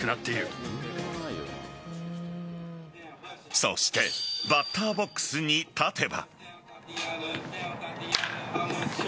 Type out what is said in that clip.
そしてバッターボックスに立てば。